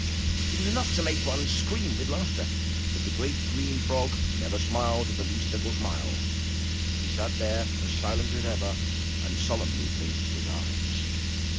It was enough to make one scream with laughter, but the great, green frog never smiled the least little smile. He sat there as silent as ever and solemnly blinked his eyes.